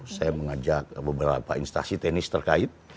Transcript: saya mengajak beberapa instasi teknis terkait